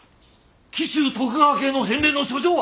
紀州徳川家への返礼の書状は。